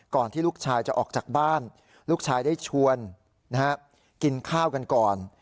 ที่ลูกชายจะออกจากบ้านลูกชายได้ชวนกินข้าวกันก่อน